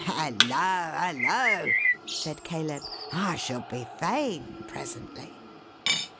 "Halloa! Halloa!" said Caleb. "I shall be vain, presently."